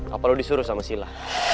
apa lo disuruh sama sila